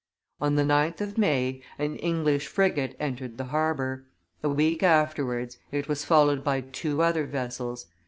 On the 9th of May, an English frigate entered the harbor. A week afterwards, it was followed by two other vessels.